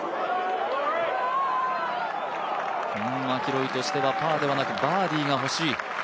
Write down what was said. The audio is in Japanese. マキロイとしてはパーではなくバーディーが欲しい。